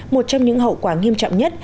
một trong những hậu quả nghiêm trọng nhất